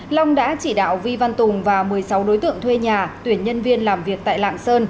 long đã chỉ đạo vi văn tùng và một mươi sáu đối tượng thuê nhà tuyển nhân viên làm việc tại lạng sơn